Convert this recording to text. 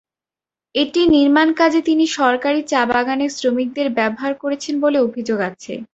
এটির নির্মাণকাজে তিনি সরকারি চা-বাগানের শ্রমিকদের ব্যবহার করেছেন বলে অভিযোগ আছে।